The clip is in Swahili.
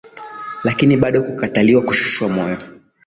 Lakini bado kukataliwa kushushwa moyo.